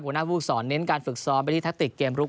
หัวหน้าผู้สอนเน้นการฝึกซ้อมไปที่แทคติกเกมลุก